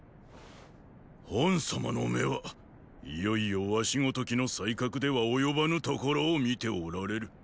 賁様の目はいよいよ儂如きの才覚では及ばぬところを見ておられる。